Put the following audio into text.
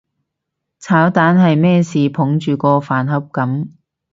炒蛋係咩事捧住個飯盒噉？